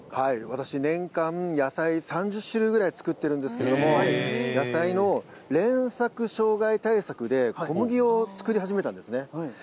私、年間野菜３０種類ぐらい作っているんですけれども、野菜の連作障害対策で、小麦を作り始めたんですね。